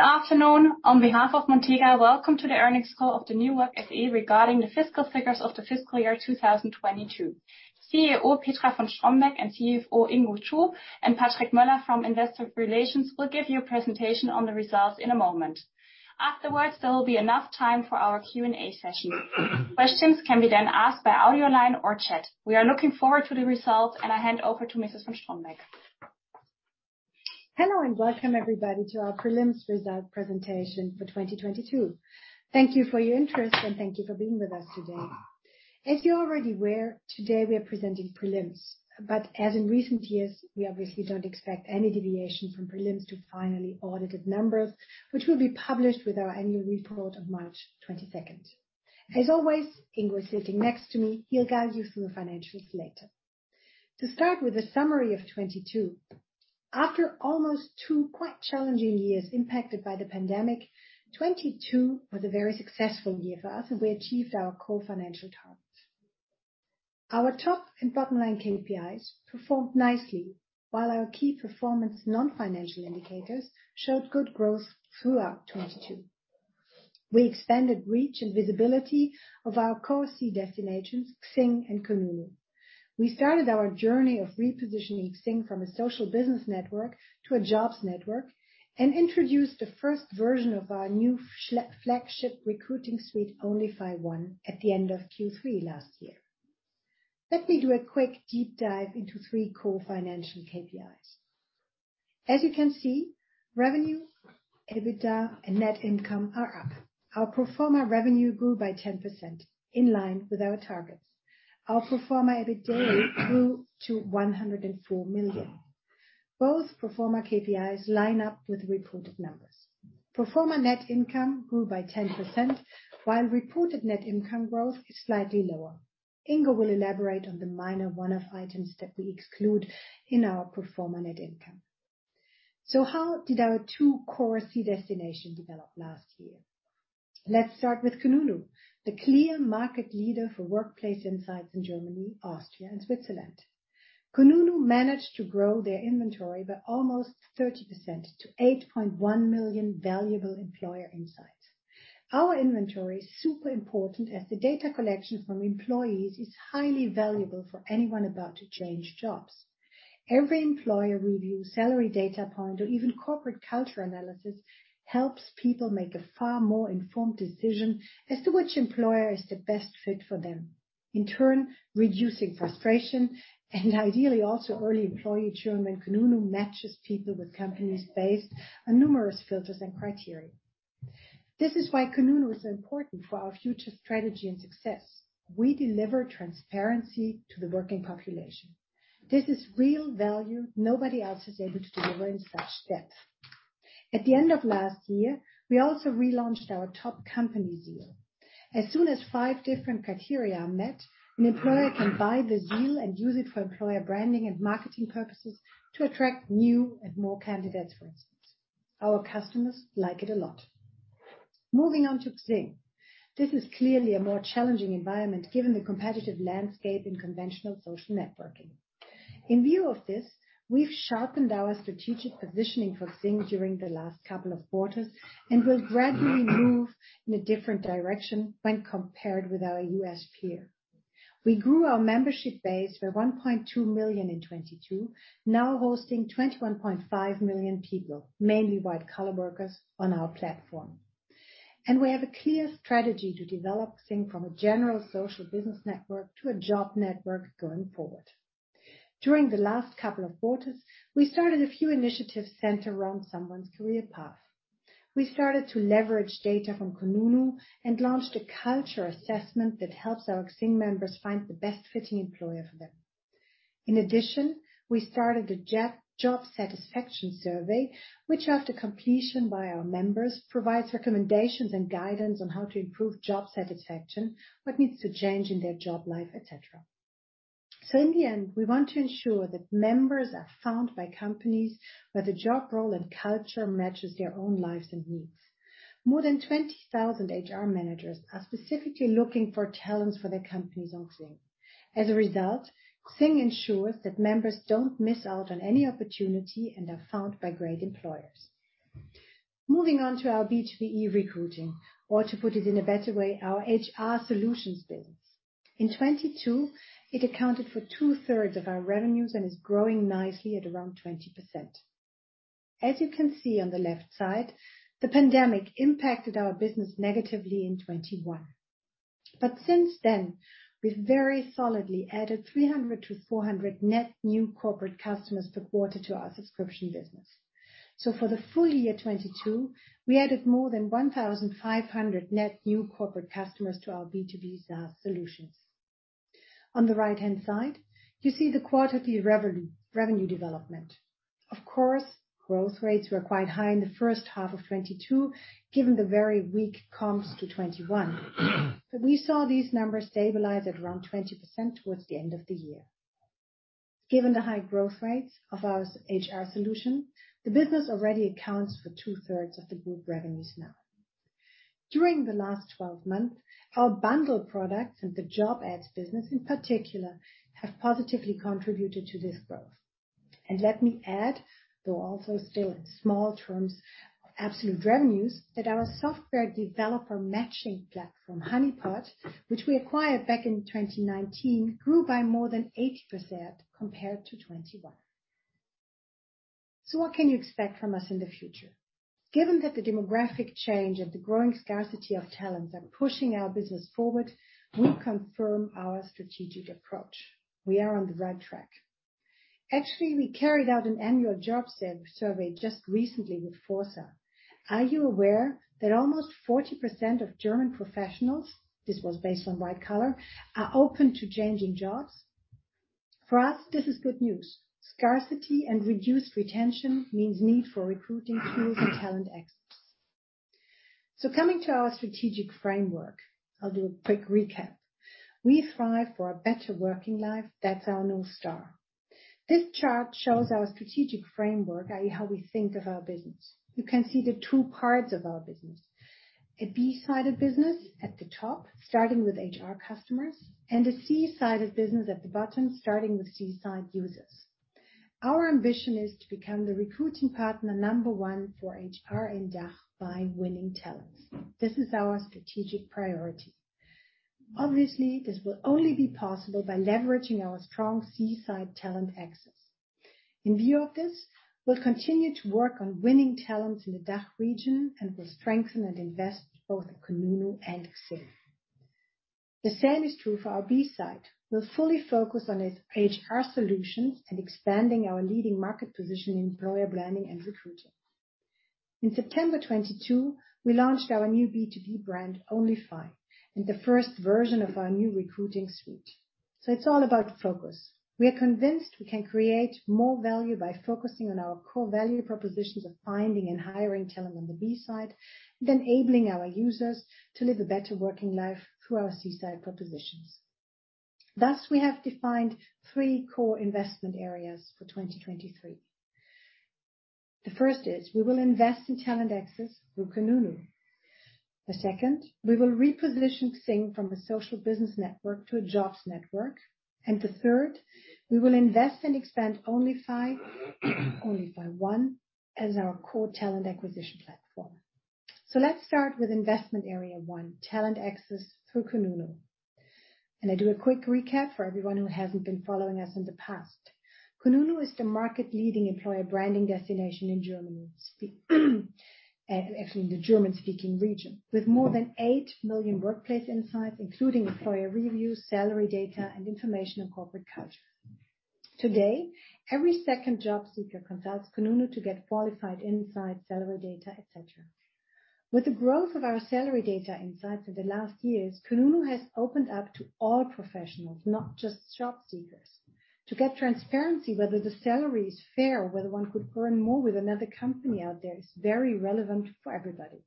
Good afternoon. On behalf of Montega, welcome to the earnings call of the New Work SE regarding the fiscal figures of the fiscal year 2022. CEO Petra von Strombeck and CFO Ingo Chu and Patrick Möller from Investor Relations will give you a presentation on the results in a moment. Afterwards, there will be enough time for our Q&A session. Questions can be then asked by audio line or chat. We are looking forward to the results, I hand over to Mrs. von Strombeck. Hello, welcome everybody to our prelims result presentation for 2022. Thank you for your interest, thank you for being with us today. As you're already aware, today we are presenting prelims, as in recent years, we obviously don't expect any deviation from prelims to finally audited numbers, which will be published with our annual report of March 22nd. As always, Ingo is sitting next to me. He'll guide you through the financials later. To start with the summary of 22. After almost two quite challenging years impacted by the pandemic, 22 was a very successful year for us, we achieved our core financial targets. Our top and bottom line KPIs performed nicely, while our key performance non-financial indicators showed good growth throughout 22. We expanded reach and visibility of our core SE destinations, XING and Kununu. We started our journey of repositioning XING from a social business network to a jobs network and introduced the first version qof our new flagship recruiting suite, Onlyfy One, at the end of Q3 last year. Let me do a quick deep dive into three core financial KPIs. As you can see, revenue, EBITDA, and net income are up. Our pro forma revenue grew by 10% in line with our targets. Our pro forma EBITDA grew to 104 million. Both pro forma KPIs line up with reported numbers. Pro forma net income grew by 10%, while reported net income growth is slightly lower. Ingo will elaborate on the minor one-off items that we exclude in our pro forma net income. How did our two core SE destination develop last year? Let's start with Kununu, the clear market leader for workplace insights in Germany, Austria, and Switzerland. Kununu managed to grow their inventory by almost 30% to 8.1 million valuable employer insights. Our inventory is super important, as the data collection from employees is highly valuable for anyone about to change jobs. Every employer review, salary data point, or even corporate culture analysis helps people make a far more informed decision as to which employer is the best fit for them. In turn, reducing frustration and ideally also early employee churn when Kununu matches people with companies based on numerous filters and criteria. This is why Kununu is important for our future strategy and success. We deliver transparency to the working population. This is real value nobody else is able to deliver in such depth. At the end of last year, we also relaunched our Top Company seal. As soon as five different criteria are met, an employer can buy the seal and use it for employer branding and marketing purposes to attract new and more candidates, for instance. Our customers like it a lot. Moving on to XING, this is clearly a more challenging environment given the competitive landscape in conventional social networking. In view of this, we've sharpened our strategic positioning for XING during the last couple of quarters and will gradually move in a different direction when compared with our U.S. peer. We grew our membership base by 1.2 million in 2022, now hosting 21.5 million people, mainly white collar workers on our platform. We have a clear strategy to develop XING from a general social business network to a job network going forward. During the last couple of quarters, we started a few initiatives centered around someone's career path. We started to leverage data from Kununu and launched a culture assessment that helps our XING members find the best fitting employer for them. In addition, we started a job satisfaction survey, which, after completion by our members, provides recommendations and guidance on how to improve job satisfaction, what needs to change in their job life, et cetera. In the end, we want to ensure that members are found by companies where the job role and culture matches their own lives and needs. More than 20,000 HR managers are specifically looking for talents for their companies on XING. As a result, XING ensures that members don't miss out on any opportunity and are found by great employers. Moving on to our B2B recruiting or to put it in a better way, our HR solutions business. In 2022, it accounted for two-thirds of our revenues and is growing nicely at around 20%. As you can see on the left side, the pandemic impacted our business negatively in 2021. Since then, we've very solidly added 300-400 net new corporate customers per quarter to our subscription business. For the full year 2022, we added more than 1,500 net new corporate customers to our B2B SaaS solutions. On the right-hand side, you see the quarterly revenue development. Growth rates were quite high in the first half of 2022, given the very weak comps to 2021. We saw these numbers stabilize at around 20% towards the end of the year. Given the high growth rates of our HR solution, the business already accounts for two-thirds of the group revenues now. During the last 12 months, our bundle products and the job ads business in particular, have positively contributed to this growth. Let me add, though also still in small terms, absolute revenues that our software developer matching platform, Honeypot, which we acquired back in 2019, grew by more than 80% compared to 2021. What can you expect from us in the future? Given that the demographic change and the growing scarcity of talents are pushing our business forward, we confirm our strategic approach. We are on the right track. Actually, we carried out an annual job survey just recently with forsa. Are you aware that almost 40% of German professionals, this was based on white collar, are open to changing jobs? For us, this is good news. Scarcity and reduced retention means need for recruiting tools and talent access. Coming to our strategic framework, I'll do a quick recap. We thrive for a better working life. That's our North Star. This chart shows our strategic framework, i.e., how we think of our business. You can see the two parts of our business. A B-sided business at the top, starting with HR customers, and a C-sided business at the bottom, starting with C-side users. Our ambition is to become the recruiting partner number 1 for HR in DACH by winning talents. This is our strategic priority. Obviously, this will only be possible by leveraging our strong C-side talent access. In view of this, we'll continue to work on winning talents in the DACH region and will strengthen and invest both in Kununu and XING. The same is true for our B-side. We'll fully focus on its HR Solutions and expanding our leading market position in employer branding and recruiting. In September 2022, we launched our new B2B brand, Onlyfy, and the first version of our new recruiting suite. It's all about focus. We are convinced we can create more value by focusing on our core value propositions of finding and hiring talent on the B-side, and enabling our users to live a better working life through our C-side propositions. Thus, we have defined three core investment areas for 2023. The first is we will invest in talent access through Kununu. The second, we will reposition XING from a social business network to a jobs network. The third, we will invest and expand Onlyfy One as our core talent acquisition platform. Let's start with investment area one, talent access through Kununu. I do a quick recap for everyone who hasn't been following us in the past. Kununu is the market-leading employer branding destination actually in the German-speaking region, with more than eight million workplace insights, including employer reviews, salary data, and information on corporate culture. Today, every second job seeker consults Kununu to get qualified insights, salary data, et cetera. With the growth of our salary data insights in the last years, Kununu has opened up to all professionals, not just job seekers. To get transparency whether the salary is fair, whether one could earn more with another company out there is very relevant for everybody.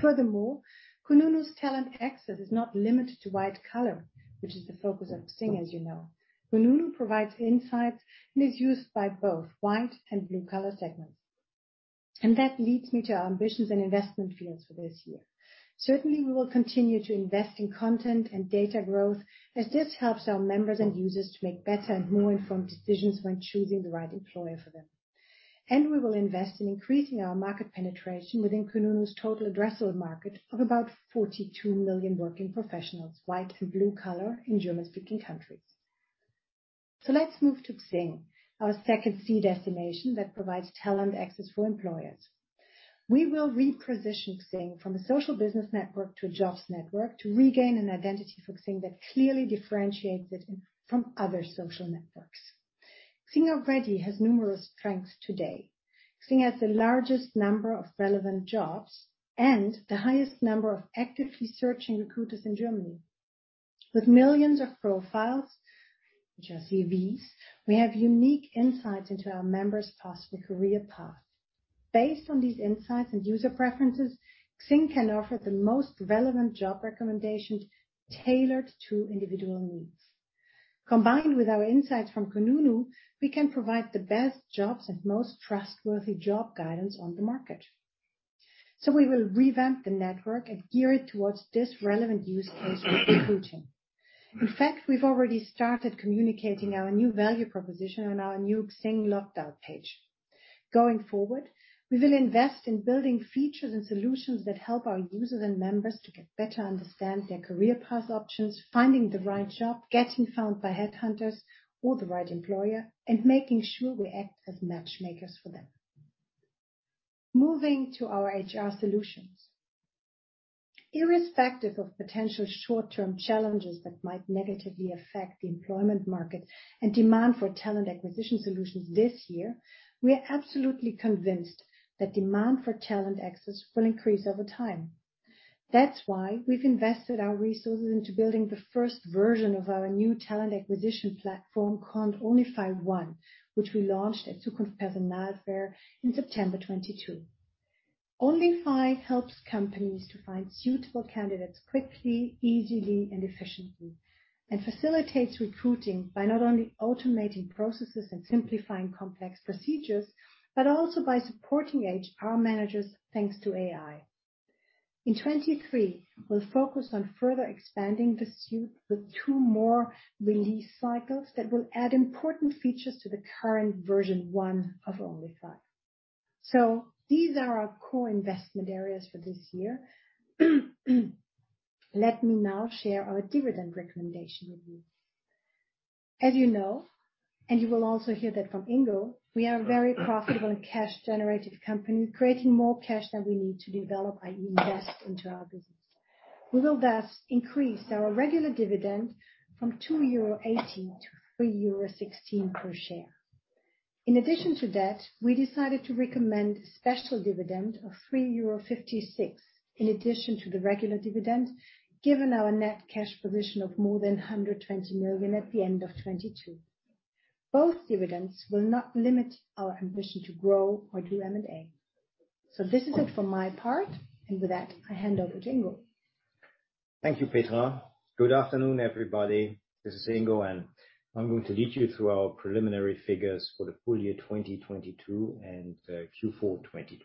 Furthermore, Kununu's talent access is not limited to white collar, which is the focus of XING, as you know. Kununu provides insights and is used by both white and blue-collar segments. That leads me to our ambitions and investment fields for this year. Certainly, we will continue to invest in content and data growth, as this helps our members and users to make better and more informed decisions when choosing the right employer for them. We will invest in increasing our market penetration within Kununu's total addressable market of about 42 million working professionals, white and blue collar, in German-speaking countries. Let's move to XING, our second C destination that provides talent access for employers. We will reposition XING from a social business network to a jobs network to regain an identity for XING that clearly differentiates it from other social networks. XING already has numerous strengths today. XING has the largest number of relevant jobs and the highest number of actively searching recruiters in Germany. With millions of profiles, which are CVs, we have unique insights into our members' possible career path. Based on these insights and user preferences, XING can offer the most relevant job recommendations tailored to individual needs. Combined with our insights from Kununu, we can provide the best jobs and most trustworthy job guidance on the market. We will revamp the network and gear it towards this relevant use case of recruiting. In fact, we've already started communicating our new value proposition on our new XING logged out page. Going forward, we will invest in building features and solutions that help our users and members to get better understand their career path options, finding the right job, getting found by headhunters or the right employer, and making sure we act as matchmakers for them. Moving to our HR solutions. Irrespective of potential short-term challenges that might negatively affect the employment market and demand for talent acquisition solutions this year, we are absolutely convinced that demand for talent access will increase over time. That's why we've invested our resources into building the first version of our new talent acquisition platform called Onlyfy One, which we launched at Zukunft Personal in September 22. onlyfy helps companies to find suitable candidates quickly, easily and efficiently. facilitates recruiting by not only automating processes and simplifying complex procedures, but also by supporting HR managers thanks to AI. In 2023, we'll focus on further expanding the suite with two more release cycles that will add important features to the current version one of Onlyfy. These are our core investment areas for this year. Let me now share our dividend recommendation with you. As you know, and you will also hear that from Ingo, we are a very profitable and cash generative company, creating more cash than we need to develop, i.e., invest into our business. We will thus increase our regular dividend from 2.80 euro to 3.16 euro per share. In addition to that, we decided to recommend a special dividend of 3.56 euro in addition to the regular dividend, given our net cash position of more than 120 million at the end of 2022. Both dividends will not limit our ambition to grow or do M&A. This is it for my part, and with that, I hand over to Ingo. Thank you, Petra. Good afternoon, everybody. This is Ingo. I'm going to lead you through our preliminary figures for the full year 2022 and Q4 2022.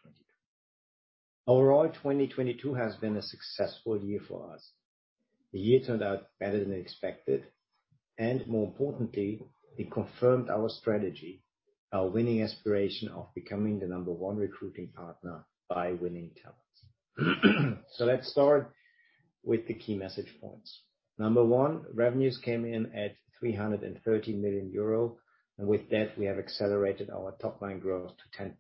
Overall, 2022 has been a successful year for us. The year turned out better than expected. More importantly, it confirmed our strategy, our winning aspiration of becoming the number one recruiting partner by winning talents. Let's start with the key message points. Number one, revenues came in at 313 million euro. With that we have accelerated our top line growth to 10%.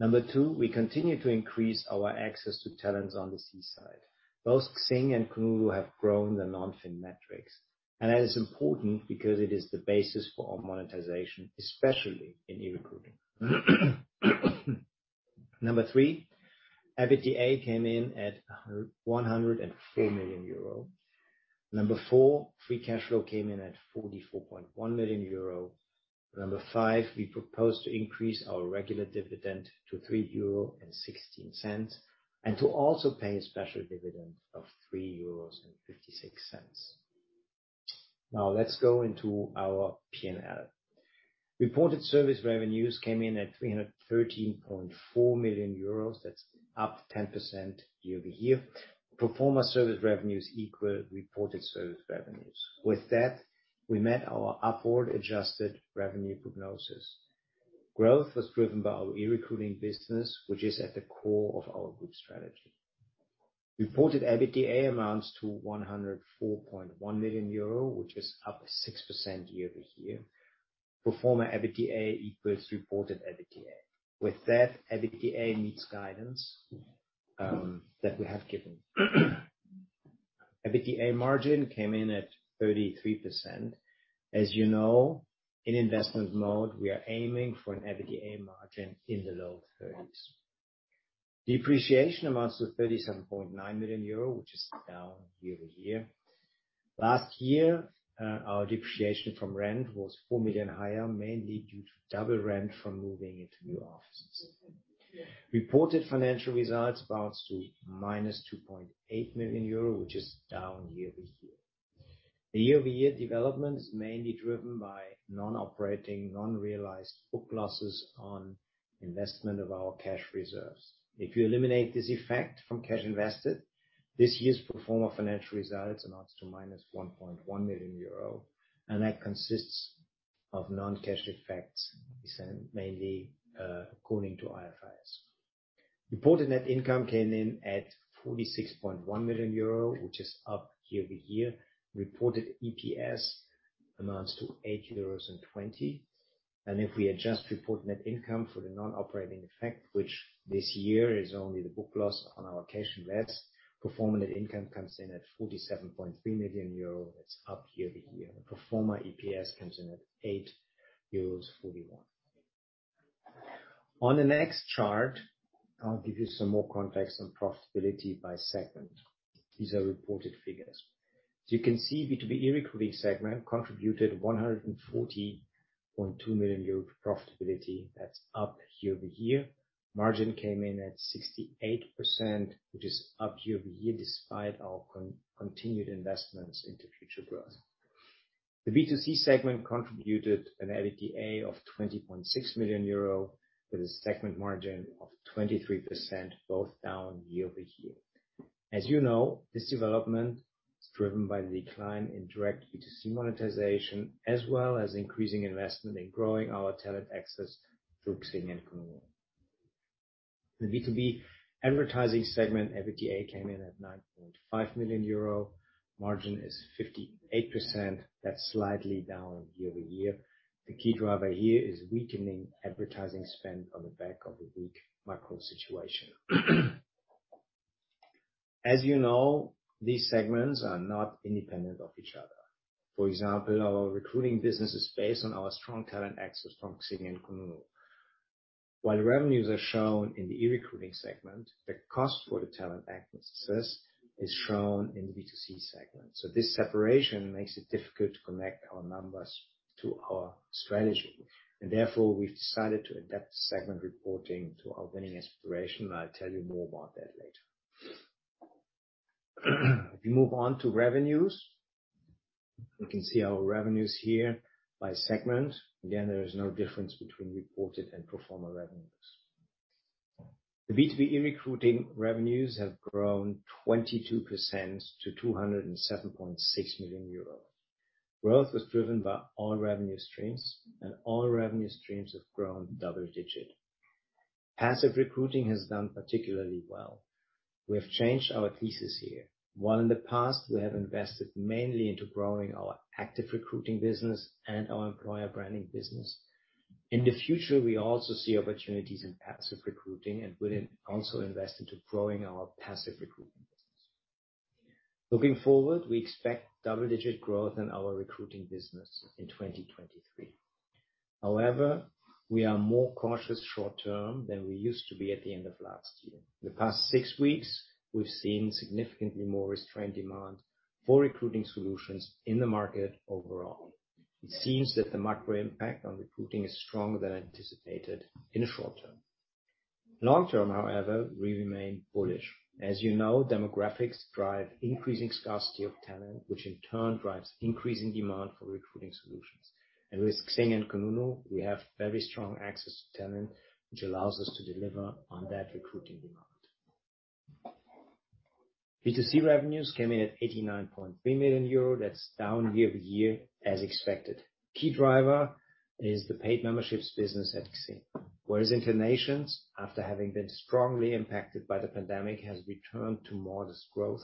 Number two, we continue to increase our access to talents on the C-side. Both XING and Kununu have grown their non-fin metrics. That is important because it is the basis for our monetization, especially in e-recruiting. Number three, EBITDA came in at 104 million euro. Number four, free cash flow came in at 44.1 million euro. Number five, we propose to increase our regular dividend to 3.16 euro and to also pay a special dividend of 3.56 euros. Now let's go into our P&L. Reported service revenues came in at 313.4 million euros. That's up 10% year-over-year. Pro forma service revenues equal reported service revenues. With that, we met our upward adjusted revenue prognosis. Growth was driven by our e-recruiting business, which is at the core of our group strategy. Reported EBITDA amounts to 104.1 million euro, which is up 6% year-over-year. Pro forma EBITDA equals reported EBITDA. With that, EBITDA meets guidance that we have given. EBITDA margin came in at 33%. As you know, in investment mode, we are aiming for an EBITDA margin in the low thirties. Depreciation amounts to 37.9 million euro, which is down year-over-year. Last year, our depreciation from rent was 4 million higher, mainly due to double rent from moving into new offices. Reported financial results amounts to -2.8 million euro, which is down year-over-year. The year-over-year development is mainly driven by non-operating, non-realized book losses on investment of our cash reserves. If you eliminate this effect from cash invested, this year's pro forma financial results amounts to -1.1 million euro. That consists of non-cash effects, mainly, according to IFRS. Reported net income came in at 46.1 million euro, which is up year-over-year. Reported EPS amounts to 8.20 euros. If we adjust reported net income for the non-operating effect, which this year is only the book loss on our cash and rents, pro forma net income comes in at 47.3 million euro. That's up year-over-year. Pro forma EPS comes in at 8.41 euros. On the next chart, I'll give you some more context on profitability by segment. These are reported figures. You can see B2B e-recruiting segment contributed 140.2 million euros profitability. That's up year-over-year. Margin came in at 68%, which is up year-over-year, despite our continued investments into future growth. The B2C segment contributed an EBITDA of 20.6 million euro with a segment margin of 23%, both down year-over-year. As you know, this development is driven by the decline in direct B2C monetization as well as increasing investment in growing our talent access through XING and Kununu. The B2B advertising segment EBITDA came in at 9.5 million euro. Margin is 58%. That's slightly down year-over-year. The key driver here is weakening advertising spend on the back of a weak macro situation. As you know, these segments are not independent of each other. For example, our recruiting business is based on our strong talent access from XING and Kununu. While revenues are shown in the e-recruiting segment, the cost for the talent access is shown in the B2C segment. This separation makes it difficult to connect our numbers to our strategy, and therefore, we've decided to adapt the segment reporting to our winning aspiration. I'll tell you more about that later. We move on to revenues. You can see our revenues here by segment. Again, there is no difference between reported and performer revenues. The B2B e-recruiting revenues have grown 22% to 207.6 million euro. Growth was driven by all revenue streams, all revenue streams have grown double-digit. Passive recruiting has done particularly well. We have changed our thesis here. While in the past, we have invested mainly into growing our active recruiting business and our employer branding business. In the future, we also see opportunities in passive recruiting and we'll also invest into growing our passive recruiting business. Looking forward, we expect double-digit growth in our recruiting business in 2023. However, we are more cautious short term than we used to be at the end of last year. The past six weeks, we've seen significantly more restrained demand for recruiting solutions in the market overall. It seems that the macro impact on recruiting is stronger than anticipated in the short term. Long term, however, we remain bullish. As you know, demographics drive increasing scarcity of talent, which in turn drives increasing demand for recruiting solutions. With XING and Kununu, we have very strong access to talent, which allows us to deliver on that recruiting demand. B2C revenues came in at 89.3 million euro. That's down year-over-year as expected. Key driver is the paid memberships business at XING. Whereas InterNations, after having been strongly impacted by the pandemic, has returned to modest growth.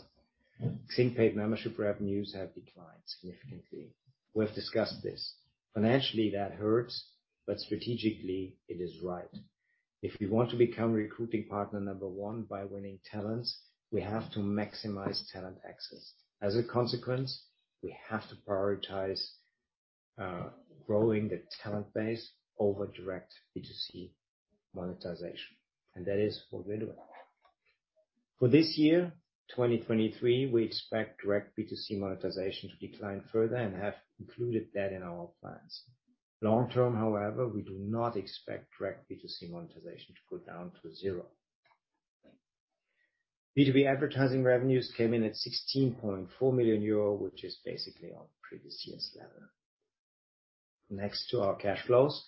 XING paid membership revenues have declined significantly. We have discussed this. Financially, that hurts, but strategically, it is right. If we want to become recruiting partner number one by winning talents, we have to maximize talent access. As a consequence, we have to prioritize growing the talent base over direct B2C monetization. That is what we're doing. For this year, 2023, we expect direct B2C monetization to decline further and have included that in our plans. Long term, however, we do not expect direct B2C monetization to go down to 0. B2B advertising revenues came in at 16.4 million euro, which is basically our previous year's level. Next to our cash flows.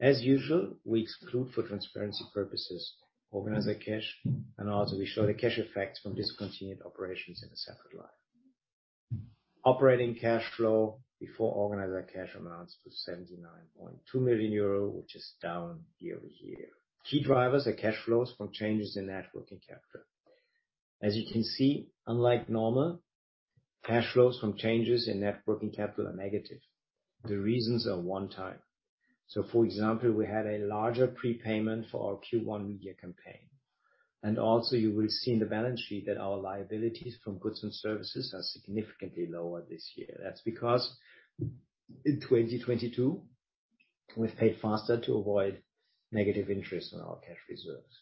As usual, we exclude for transparency purposes, organizer cash. Also, we show the cash effects from discontinued operations in a separate line. Operating cash flow before organizer cash amounts to 79.2 million euro, which is down year-over-year. Key drivers are cash flows from changes in net working capital. As you can see, unlike normal, cash flows from changes in net working capital are negative. The reasons are one time. For example, we had a larger prepayment for our Q1 media campaign. Also you will see in the balance sheet that our liabilities from goods and services are significantly lower this year. That's because in 2022, we've paid faster to avoid negative interest on our cash reserves.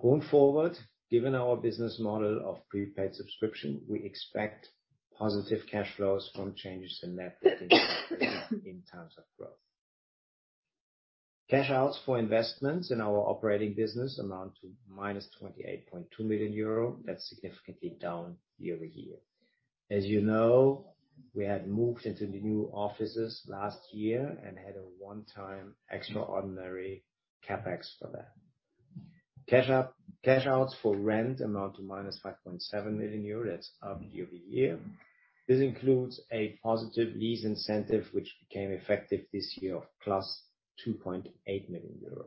Going forward, given our business model of prepaid subscription, we expect positive cash flows from changes in net in terms of growth. Cash outs for investments in our operating business amount to -28.2 million euro. That's significantly down year-over-year. As you know, we had moved into the new offices last year and had a one-time extraordinary CapEx for that. Cash outs for rent amount to -5.7 million euros. That's up year-over-year. This includes a positive lease incentive, which became effective this year of +2.8 million euro.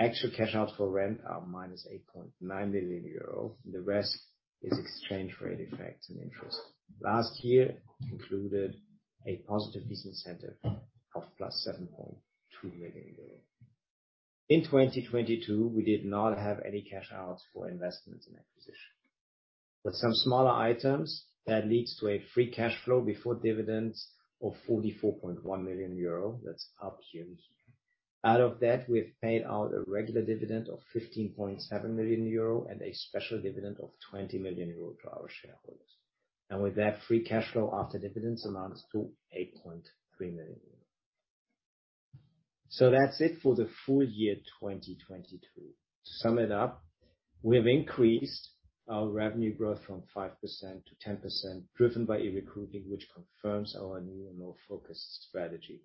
Actual cash outs for rent are -8.9 million euro. The rest is exchange rate effects and interest. Last year included a positive lease incentive of +7.2 million euros. In 2022, we did not have any cash outs for investments and acquisition. Some smaller items, that leads to a free cash flow before dividends of 44.1 million euro. That's up year-over-year. Out of that, we've paid out a regular dividend of 15.7 million euro and a special dividend of 20 million euro to our shareholders. With that, free cash flow after dividends amounts to 8.3 million euro. That's it for the full year 2022. To sum it up, we have increased our revenue growth from 5% to 10% driven by e-recruiting, which confirms our new and old focus strategy.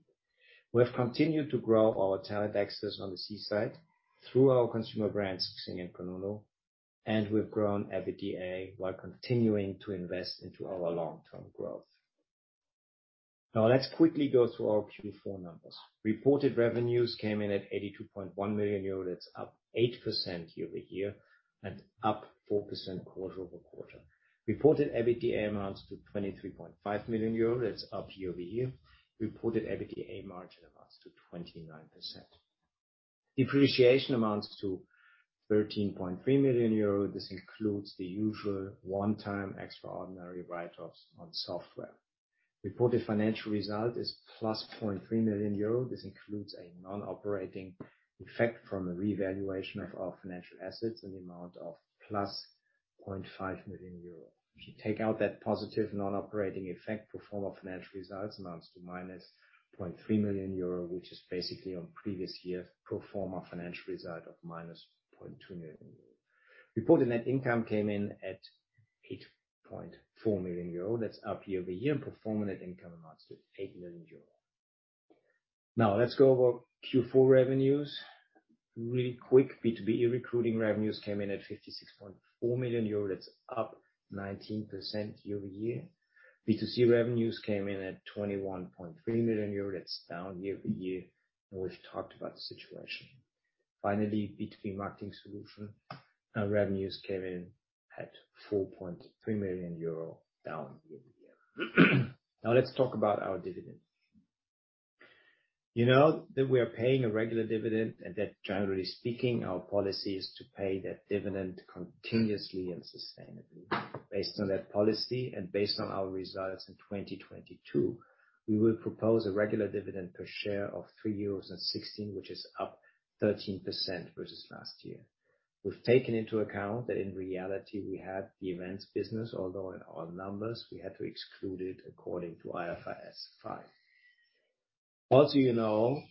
We have continued to grow our talent access on the C-side through our consumer brands, XING and Kununu, and we've grown EBITDA while continuing to invest into our long-term growth. Let's quickly go through our Q4 numbers. Reported revenues came in at 82.1 million euros. That's up 8% year-over-year and up 4% quarter-over-quarter. Reported EBITDA amounts to 23.5 million euros. That's up year-over-year. Reported EBITDA margin amounts to 29%. Depreciation amounts to 13.3 million euro. This includes the usual one-time extraordinary write-offs on software. Reported financial result is +0.3 million euro. This includes a non-operating effect from a revaluation of our financial assets in the amount of +0.5 million euro. If you take out that positive non-operating effect, pro forma financial results amounts to -0.3 million euro, which is basically on previous-year pro forma financial result of -0.2 million euro. Reported net income came in at 8.4 million euro. That's up year-over-year. Pro forma net income amounts to 8 million euro. Let's go over Q4 revenues really quick. B2B e-recruiting revenues came in at 56.4 million euro. That's up 19% year-over-year. B2C revenues came in at 21.3 million euros. That's down year-over-year. We've talked about the situation. B2B marketing solution revenues came in at 4.3 million euro, down year-over-year. Now let's talk about our dividend. You know that we are paying a regular dividend and that generally speaking, our policy is to pay that dividend continuously and sustainably. Based on that policy and based on our results in 2022, we will propose a regular dividend per share of 3.16 euros, which is up 13% versus last year. We've taken into account that in reality we had the events business, although in our numbers we had to exclude it according to IFRS 5. You know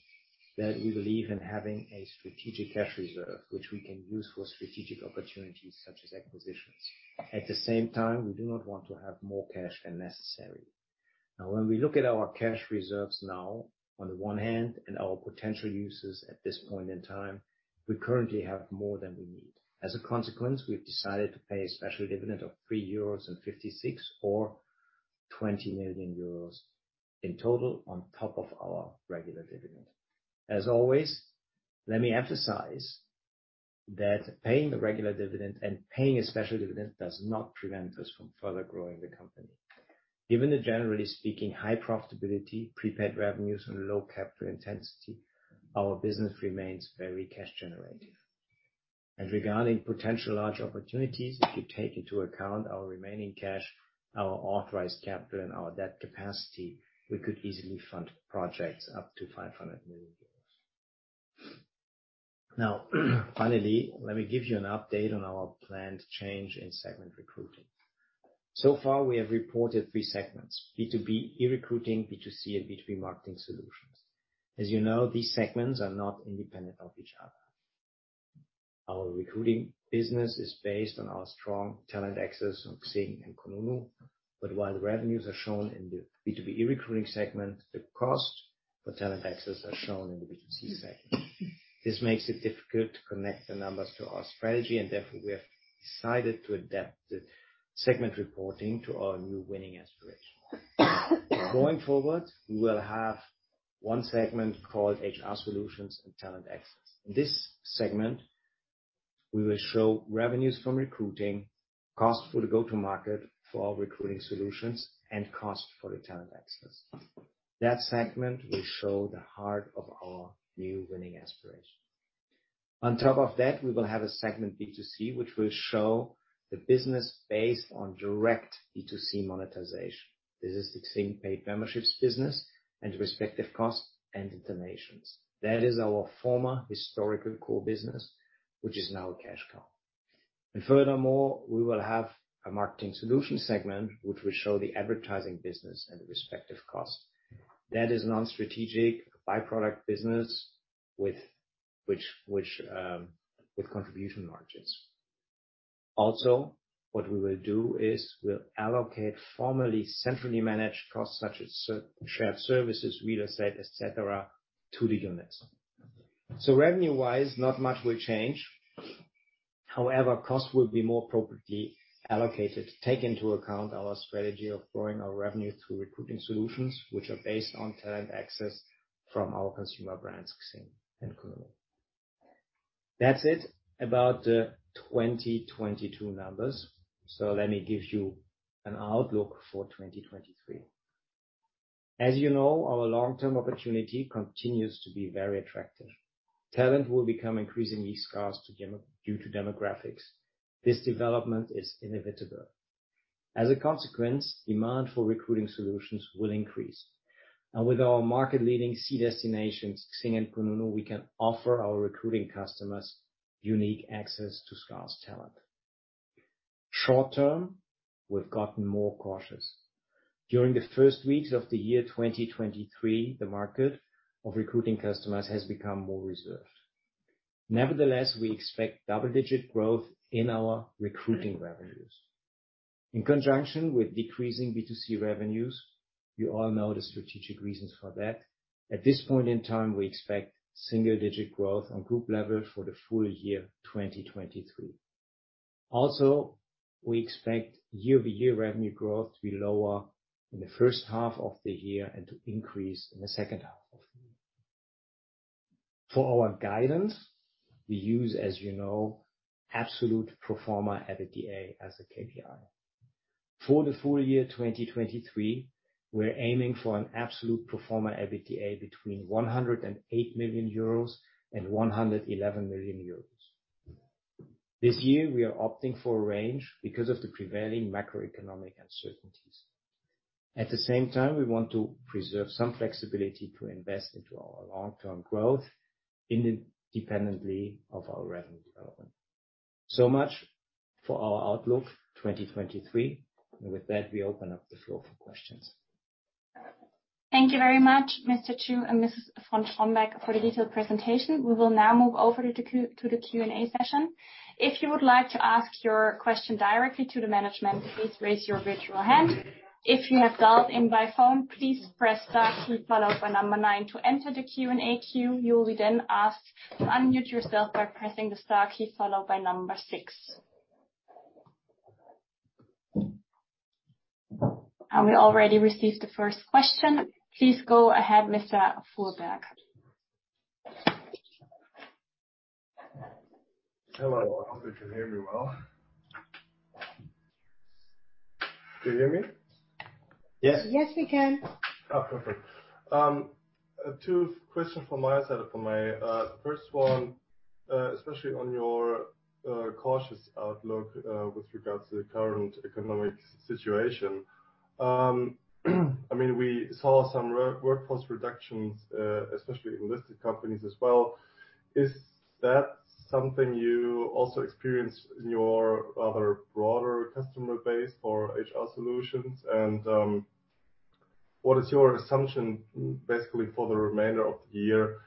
that we believe in having a strategic cash reserve, which we can use for strategic opportunities such as acquisitions. At the same time, we do not want to have more cash than necessary. When we look at our cash reserves now on the one hand and our potential uses at this point in time, we currently have more than we need. As a consequence, we've decided to pay a special dividend of 3.56 euros or 20 million euros in total on top of our regular dividend. As always, let me emphasize that paying the regular dividend and paying a special dividend does not prevent us from further growing the company. Given the generally speaking, high profitability, prepaid revenues and low capital intensity, our business remains very cash generative. Regarding potential large opportunities if you take into account our remaining cash, our authorized capital, and our debt capacity, we could easily fund projects up to 500 million euros. Finally, let me give you an update on our planned change in segment recruiting. Far, we have reported three segments: B2B e-recruiting, B2C, and B2B marketing solutions. As you know, these segments are not independent of each other. Our recruiting business is based on our strong talent access on XING and Kununu, but while the revenues are shown in the B2B e-recruiting segment, the cost for talent access are shown in the B2C segment. This makes it difficult to connect the numbers to our strategy and therefore we have decided to adapt the segment reporting to our new winning aspiration. Going forward, we will have one segment called HR Solutions and Talent Access. In this segment, we will show revenues from recruiting, cost for the go-to-market for our recruiting solutions and cost for the talent access. That segment will show the heart of our new winning aspiration. On top of that, we will have a segment B2C, which will show the business based on direct B2C monetization. This is XING paid memberships business and respective costs and donations. That is our former historical core business, which is now a cash cow. Furthermore, we will have a marketing solution segment, which will show the advertising business at a respective cost. That is non-strategic by-product business which with contribution margins. Also, what we will do is we'll allocate formally centrally managed costs such as shared services, real estate, et cetera, to the units. Revenue-wise, not much will change. However, costs will be more appropriately allocated to take into account our strategy of growing our revenue through recruiting solutions which are based on talent access from our consumer brands, XING and Kununu. That's it about the 2022 numbers. Let me give you an outlook for 2023. As you know, our long-term opportunity continues to be very attractive. Talent will become increasingly scarce due to demographics. This development is inevitable. As a consequence, demand for recruiting solutions will increase. With our market leading C destinations, XING and Kununu, we can offer our recruiting customers unique access to scarce talent. Short term, we've gotten more cautious. During the first weeks of the year 2023, the market of recruiting customers has become more reserved. Nevertheless, we expect double-digit growth in our recruiting revenues. In conjunction with decreasing B2C revenues, you all know the strategic reasons for that. At this point in time, we expect single digit growth on group level for the full year 2023. We expect year-over-year revenue growth to be lower in the first half of the year and to increase in the second half of the year. For our guidance, we use, as you know, absolute pro forma EBITDA as a KPI. For the full year 2023, we're aiming for an absolute pro forma EBITDA between 108 million euros and 111 million euros. This year we are opting for a range because of the prevailing macroeconomic uncertainty. We want to preserve some flexibility to invest into our long-term growth independently of our revenue development. Much for our outlook 2023. With that, we open up the floor for questions. Thank you very much, Mr. Chu and Mrs. von Strombeck for the detailed presentation. We will now move over to the Q&A session. If you would like to ask your question directly to the management, please raise your virtual hand. If you have dialed in by phone, please press star key followed by number nine to enter the Q&A queue. You will be then asked to unmute yourself by pressing the star key followed by number six. We already received the first question. Please go ahead, Mr. Fuhrberg. Hello. I hope you can hear me well. Can you hear me? Yes. Yes, we can. Oh, perfect. Two questions from my side for my first one, especially on your cautious outlook with regards to the current economic situation. I mean, we saw some workforce reductions, especially in listed companies as well. Is that something you also experience in your other broader customer base for HR Solutions? What is your assumption basically for the remainder of the year,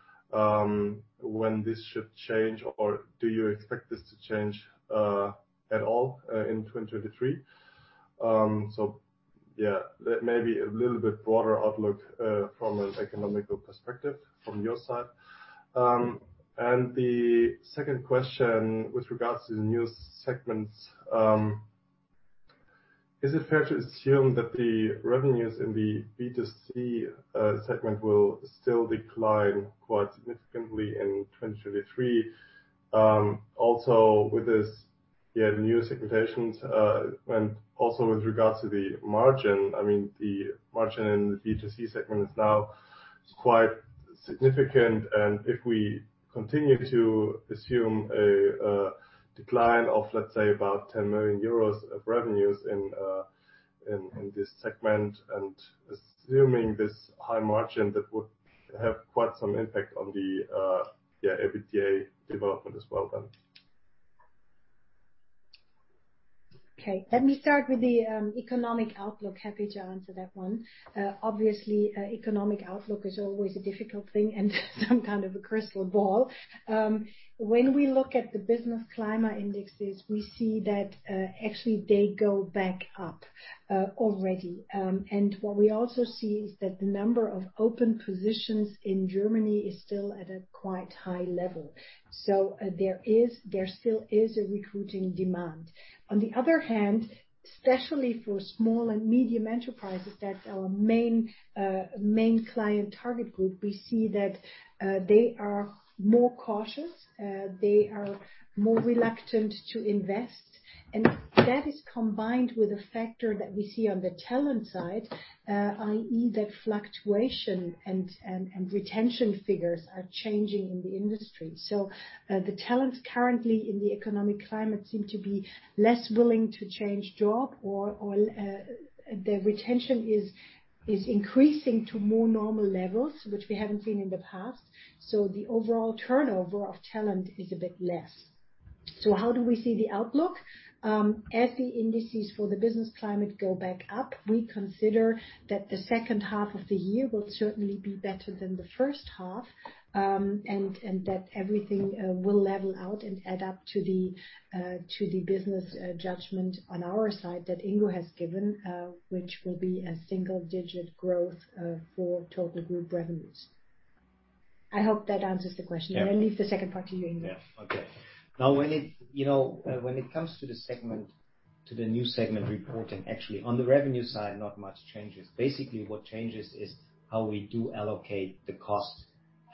when this should change or do you expect this to change at all in 2023? That may be a little bit broader outlook from an economical perspective from your side. The second question with regards to the new segments, is it fair to assume that the revenues in the B2C segment will still decline quite significantly in 2023? Also with this, the new segmentations, and also with regards to the margin. I mean, the margin in the B2C segment is now quite significant, and if we continue to assume a decline of about 10 million euros of revenues in this segment and assuming this high margin, that would have quite some impact on the EBITDA development as well then. Okay. Let me start with the economic outlook. Happy to answer that one. Obviously, economic outlook is always a difficult thing and some kind of a crystal ball. When we look at the business climate indexes, we see that actually they go back up already. What we also see is that the number of open positions in Germany is still at a quite high level. There still is a recruiting demand. On the other hand, especially for small and medium enterprises, that's our main client target group, we see that they are more cautious. They are more reluctant to invest. That is combined with a factor that we see on the talent side, i.e., that fluctuation and retention figures are changing in the industry. The talent currently in the economic climate seem to be less willing to change job or, the retention is increasing to more normal levels, which we haven't seen in the past. The overall turnover of talent is a bit less. How do we see the outlook? As the indices for the business climate go back up, we consider that the second half of the year will certainly be better than the first half, and that everything will level out and add up to the business judgment on our side that Ingo has given, which will be a single digit growth for total group revenues. I hope that answers the question. Yeah. I leave the second part to you, Ingo. Yeah. Okay. When it, you know, when it comes to the new segment reporting, actually on the revenue side, not much changes. What changes is how we do allocate the cost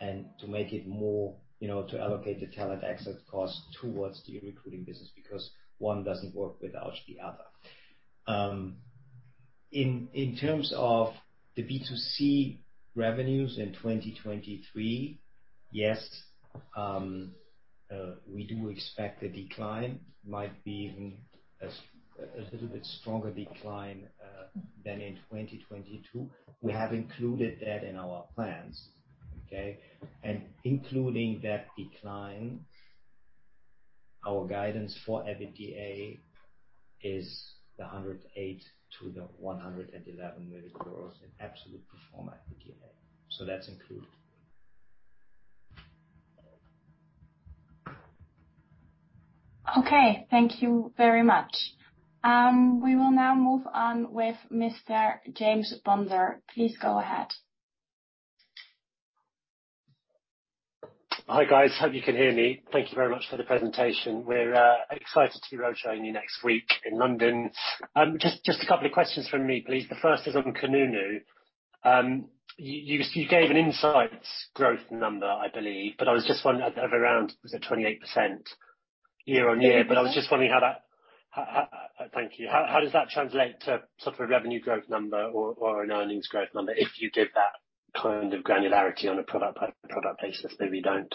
and to make it more, you know, to allocate the talent access cost towards the e-recruiting business because one doesn't work without the other. In terms of the B2C revenues in 2023, yes, we do expect a decline. Might be even a little bit stronger decline than in 2022. We have included that in our plans. Okay? Including that decline, our guidance for EBITDA is EUR 108 million-EUR 111 million in absolute pro forma EBITDA. That's included. Okay. Thank you very much. We will now move on with Mr. James Bodner. Please go ahead. Hi, guys. Hope you can hear me. Thank you very much for the presentation. We're excited to be roadshow with you next week in London. Just a couple of questions from me, please. The first is on Kununu. You gave an insights growth number, I believe, but I was just wondering of around, was it 28% year-on-year? I was just wondering how that. Thank you. How does that translate to sort of a revenue growth number or an earnings growth number if you give that kind of granularity on a product-by-product basis? Maybe you don't.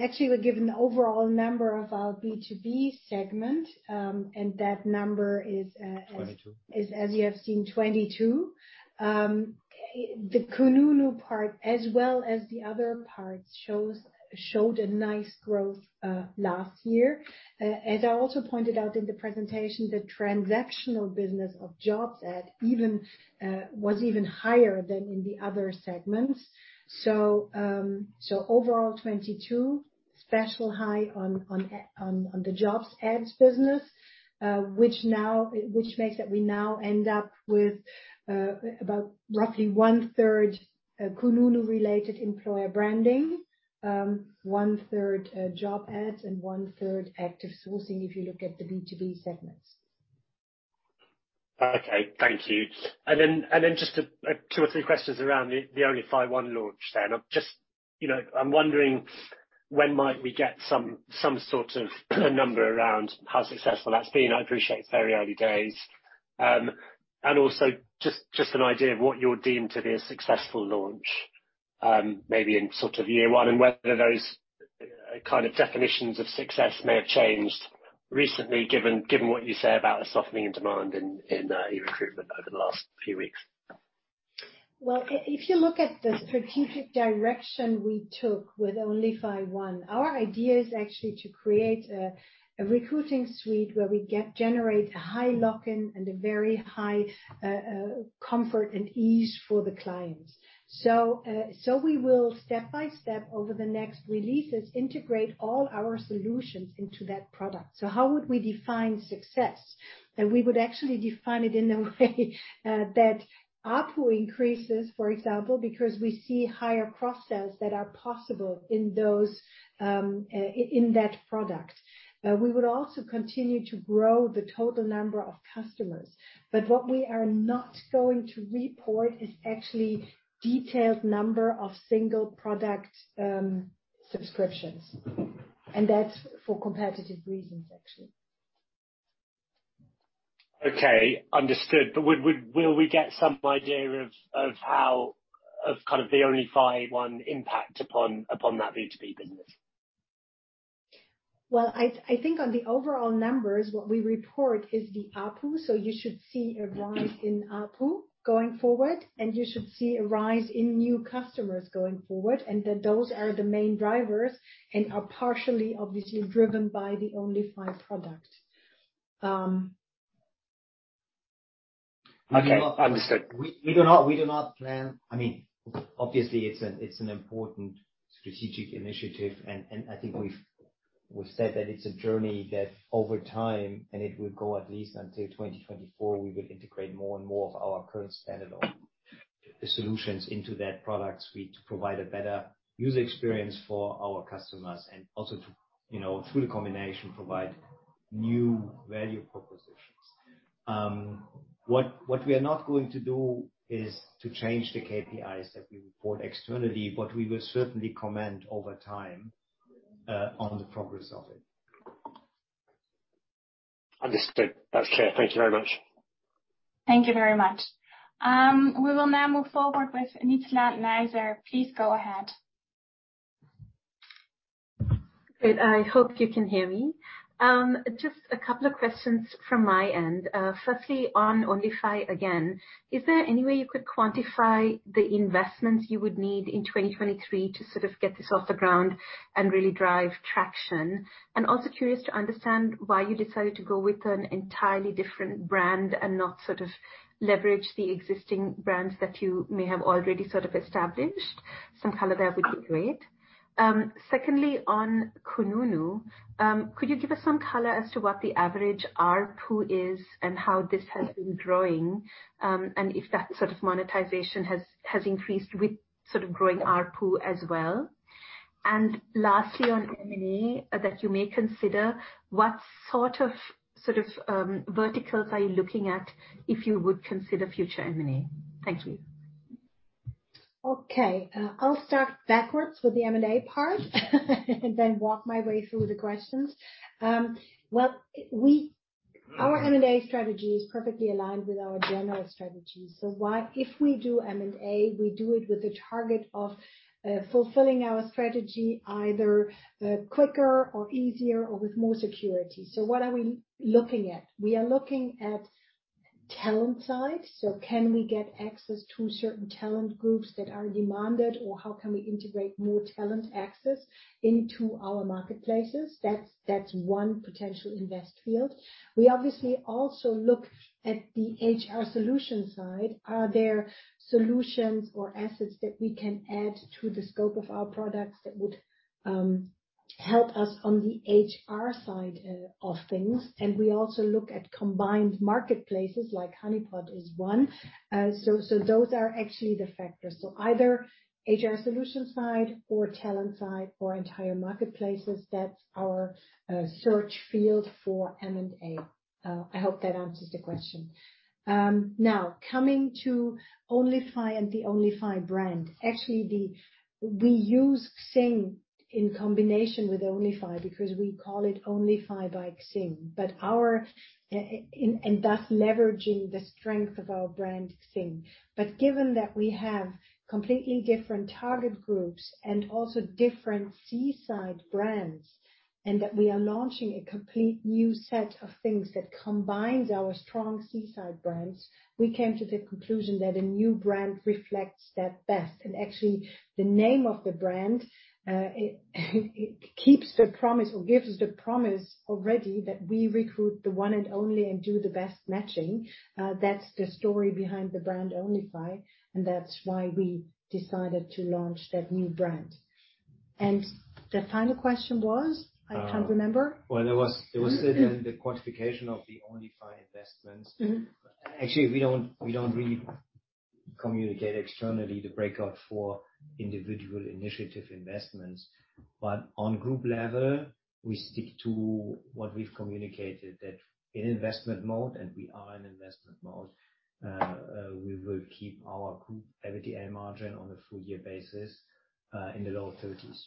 Actually, we're given the overall number of our B2B segment, that number is. 22... is as you have seen, 22. The Kununu part as well as the other parts showed a nice growth last year. As I also pointed out in the presentation, the transactional business of job ads was even higher than in the other segments. Overall 22, special high on the job ads business, which makes that we now end up with about roughly 1/3 Kununu related employer branding, 1/3 job ads and 1/3 active sourcing if you look at the B2B segments. Okay. Thank you. Just a two or three questions around the Onlyfy One launch then. I'm just, you know, I'm wondering when might we get some sort of number around how successful that's been. I appreciate very early days. Also just an idea of what you're deemed to be a successful launch, maybe in sort of year one, and whether those kind of definitions of success may have changed recently given what you say about a softening in demand in eRecruitment over the last few weeks. Well, if you look at the strategic direction we took with Onlyfy One, our idea is actually to create a recruiting suite where we get generate a high lock-in and a very high comfort and ease for the clients. We will step by step over the next releases, integrate all our solutions into that product. How would we define success? That we would actually define it in a way that ARPU increases, for example, because we see higher cross sales that are possible in those in that product. We would also continue to grow the total number of customers. What we are not going to report is actually detailed number of single product subscriptions. That's for competitive reasons, actually. Okay. Understood. Will we get some idea of how of kind of the Onlyfy One impact upon that B2B business? I think on the overall numbers, what we report is the ARPU. You should see a rise in ARPU going forward, and you should see a rise in new customers going forward, and that those are the main drivers and are partially obviously driven by the Onlyfy product. Okay. Understood. We do not plan. I mean, obviously it's an important strategic initiative and I think we've said that it's a journey that over time, and it will go at least until 2024, we will integrate more and more of our current standalone solutions into that product suite to provide a better user experience for our customers and also to, you know, through the combination, provide new value propositions. What we are not going to do is to change the KPIs that we report externally, but we will certainly comment over time on the progress of it. Understood. That's clear. Thank you very much. Thank you very much. We will now move forward with Nichola Neiser. Please go ahead. Good. I hope you can hear me. Just a couple of questions from my end. Firstly, on Onlyfy again. Is there any way you could quantify the investments you would need in 2023 to sort of get this off the ground and really drive traction? Also curious to understand why you decided to go with an entirely different brand and not sort of leverage the existing brands that you may have already sort of established. Some color there would be great. Secondly, on Kununu, could you give us some color as to what the average ARPU is and how this has been growing, and if that sort of monetization has increased with sort of growing ARPU as well? Lastly, on M&A that you may consider, what sort of verticals are you looking at if you would consider future M&A? Thank you. Okay. I'll start backwards with the M&A part and then work my way through the questions. Well, our M&A strategy is perfectly aligned with our general strategy. If we do M&A, we do it with the target of fulfilling our strategy either quicker or easier or with more security. What are we looking at? We are looking at talent side. Can we get access to certain talent groups that are demanded, or how can we integrate more talent access into our marketplaces? That's one potential invest field. We obviously also look at the HR solution side. Are there solutions or assets that we can add to the scope of our products that would help us on the HR side of things? We also look at combined marketplaces like Honeypot is one. Those are actually the factors. So either HR solution side or talent side or entire marketplaces, that's our search field for M&A. I hope that answers the question. Now coming to Onlyfy and the Onlyfy brand. Actually, We use XING in combination with Onlyfy because we call it Onlyfy by XING, but our, and thus leveraging the strength of our brand XING. Given that we have completely different target groups and also different Seaside brands, and that we are launching a complete new set of things that combines our strong Seaside brands. We came to the conclusion that a new brand reflects that best. Actually, the name of the brand, it keeps the promise or gives the promise already that we recruit the one and only and do the best matching. That's the story behind the brand Onlyfy, and that's why we decided to launch that new brand. The final question was? I can't remember. Well, it was the quantification of the Onlyfy investments. Mm-hmm. Actually, we don't really communicate externally the breakout for individual initiative investments. On group level, we stick to what we've communicated, that in investment mode, and we are in investment mode, we will keep our group EBITDA margin on a full year basis in the low 30s.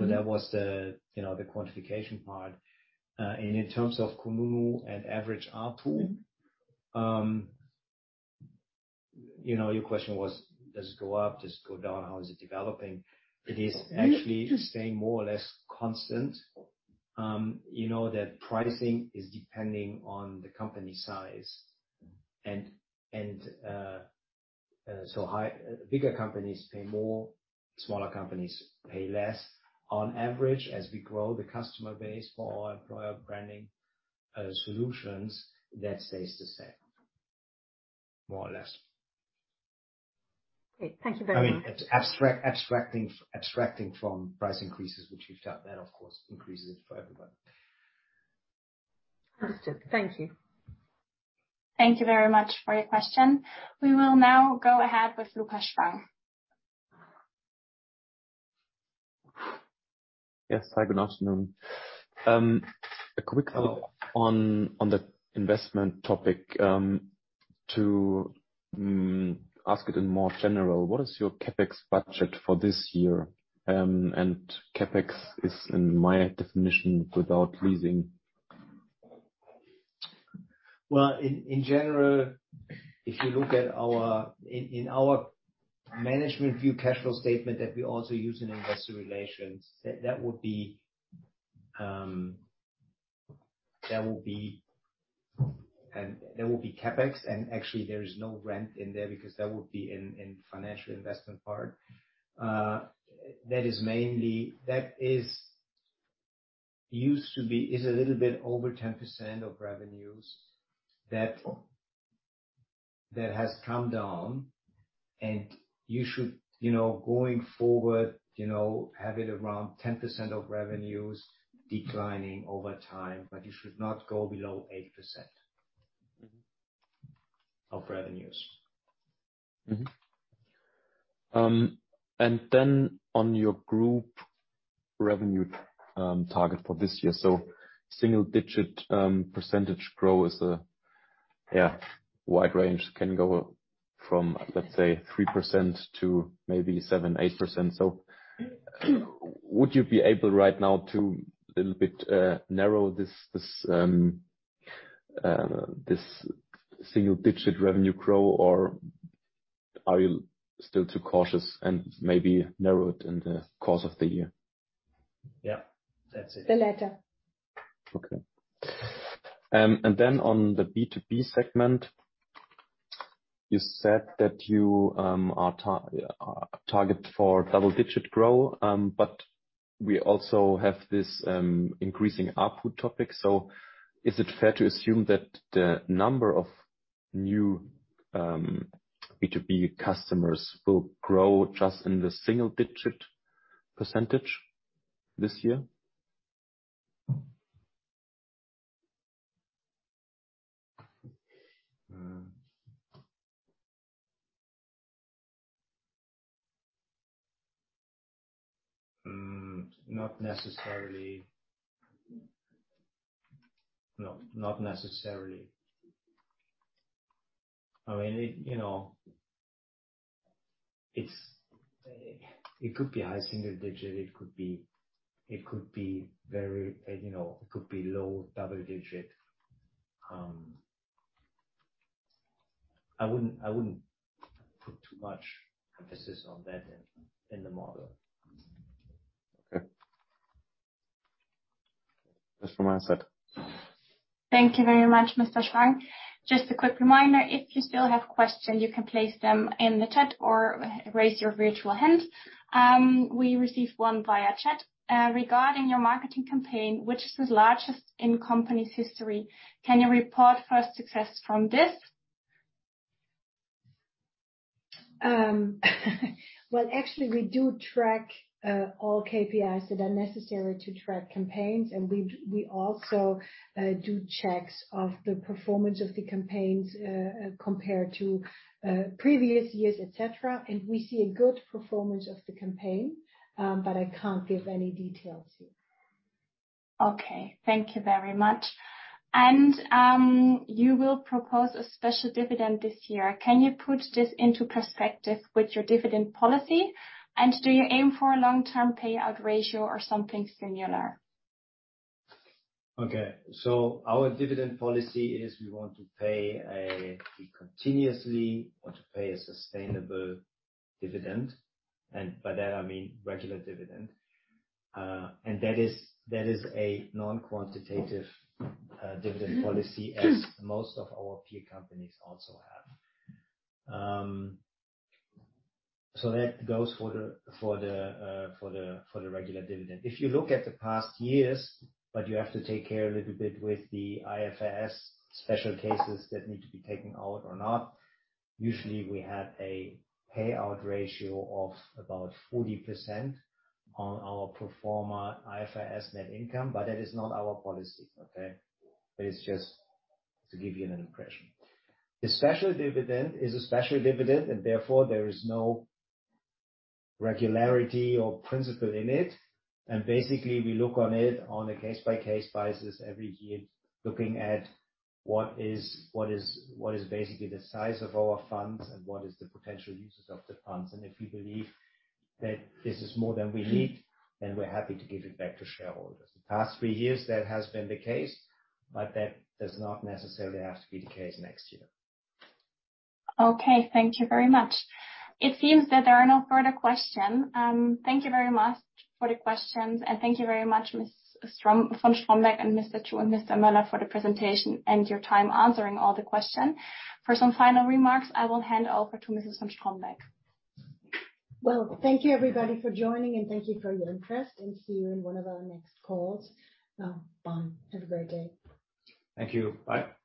That was the, you know, the quantification part. In terms of Kununu and average ARPU, you know, your question was, does it go up, does it go down? How is it developing? It is actually staying more or less constant. You know that pricing is depending on the company size and bigger companies pay more, smaller companies pay less. On average, as we grow the customer base for our employer branding solutions, that stays the same, more or less. Great. Thank you very much. I mean, abstracting from price increases, which we felt that of course increases it for everybody. Understood. Thank you. Thank you very much for your question. We will now go ahead with Lukas Schwenk. Yes. Hi, good afternoon. A quick follow-up on the investment topic, to ask it in more general, what is your CapEx budget for this year? CapEx is, in my definition, without leasing. Well, in general, if you look at our in our management view cash flow statement that we also use in investor relations, that would be, that will be. There will be CapEx and actually there is no rent in there because that would be in financial investment part. That is mainly. That is used to be, is a little bit over 10% of revenues. That has come down and you should, you know, going forward, you know, have it around 10% of revenues declining over time, but you should not go below 8%. Mm-hmm. Of revenues. On your group revenue target for this year, single-digit percentage grow as a wide range can go from, let's say, 3% to maybe 7%-8%. Would you be able right now to a little bit narrow this single-digit revenue grow, or are you still too cautious and maybe narrow it in the course of the year? Yeah, that's it. The latter. Okay. On the B2B segment, you said that you are target for double-digit grow, but we also have this increasing ARPU topic. Is it fair to assume that the number of new B2B customers will grow just in the single-digit percentage this year? Not necessarily. No, not necessarily. I mean, it, you know, it's. It could be high single-digit. It could be very, you know, it could be low double-digit. I wouldn't put too much emphasis on that in the model. Okay. That's from my side. Thank you very much, Mr. Schwan. Just a quick reminder, if you still have questions, you can place them in the chat or raise your virtual hand. We received one via chat regarding your marketing campaign, which is the largest in company's history. Can you report first success from this? Well, actually, we do track all KPIs that are necessary to track campaigns. We also do checks of the performance of the campaigns compared to previous years, et cetera. We see a good performance of the campaign, but I can't give any details here. Okay, thank you very much. You will propose a special dividend this year. Can you put this into perspective with your dividend policy? Do you aim for a long-term payout ratio or something similar? Okay. Our dividend policy is We continuously want to pay a sustainable dividend, and by that I mean regular dividend. That is a non-quantitative dividend policy as most of our peer companies also have. That goes for the regular dividend. If you look at the past years, but you have to take care a little bit with the IFRS special cases that need to be taken out or not. Usually, we had a payout ratio of about 40% on our pro forma IFRS net income, but that is not our policy, okay? That is just to give you an impression. The special dividend is a special dividend and therefore there is no regularity or principle in it. Basically, we look on it on a case-by-case basis every year, looking at what is basically the size of our funds and what is the potential uses of the funds. If we believe that this is more than we need, then we're happy to give it back to shareholders. The past three years that has been the case, but that does not necessarily have to be the case next year. Thank you very much. It seems that there are no further question. Thank you very much for the questions, and thank you very much, Ms. von Strombeck, and Mr. Chu, and Mr. Möller for the presentation and your time answering all the question. For some final remarks, I will hand over to Ms. von Strombeck. Well, thank you, everybody, for joining, and thank you for your interest. See you in one of our next calls. Bye. Have a great day. Thank you. Bye.